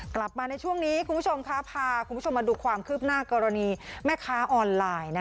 กลับมาในช่วงนี้คุณผู้ชมค่ะพาคุณผู้ชมมาดูความคืบหน้ากรณีแม่ค้าออนไลน์